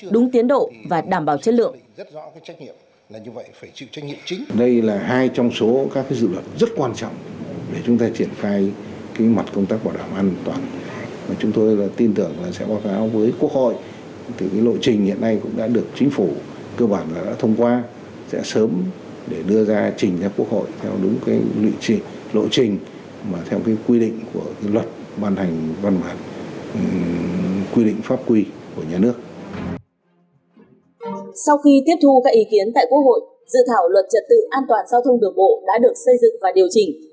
dự thảo luật trật tự an toàn giao thông đường bộ đã được xây dựng và điều chỉnh